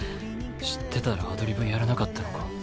知ってたらアドリブやらなかったのか？